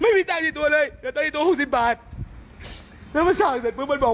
ไม่มีเงินตัวเลยแระต้นอีกสิบบาทแล้วประสาทเสร็จปุ๊บมาบอก